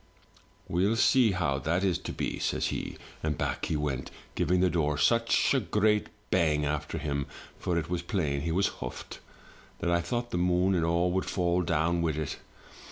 " 'We'll see how that is to be,' says he; and back he went, giving the door such a great bang after him (for it was plain he was huffed) that I thought the moon and all would fall down with it.